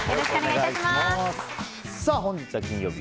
本日は金曜日。